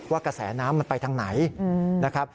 กระแสน้ำมันไปทางไหนนะครับ